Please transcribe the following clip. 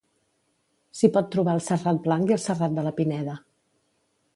S'hi pot trobar el Serrat Blanc i el Serrat de la Pineda.